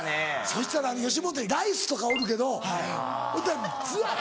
そしたら吉本にライスとかおるけどそしたらザァ！